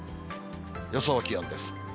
予想気温です。